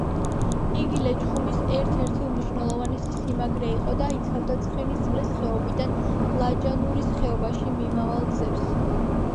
იგი ლეჩხუმის ერთ-ერთი უმნიშვნელოვანესი სიმაგრე იყო და იცავდა ცხენისწყლის ხეობიდან ლაჯანურის ხეობაში მიმავალ გზებს.